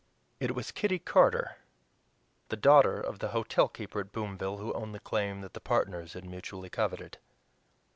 It was Kitty Carter, the daughter of the hotelkeeper at Boomville, who owned the claim that the partners had mutually coveted.